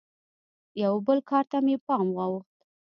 یوه بل کار ته مې پام واوښت.